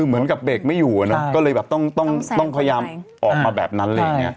เหมือนกับเบรกไม่อยู่ต้องพยายามออกมาแบบนั้น